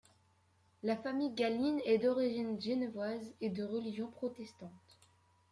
La famille Galline est d'origine genevoise et de religion protestante.